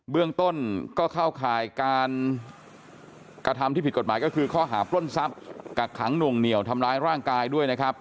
เรื่องต้นก็เข้าข่ายการกระทำที่ผิดกฎหมายก็คือข้อหาปล้นทรัพย์กักขังหน่วงเหนียวทำร้ายร่างกายด้วยนะครับ